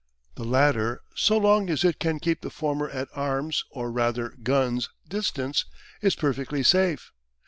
The latter, so long as it can keep the former at arm's, or rather gun's, distance is perfectly safe.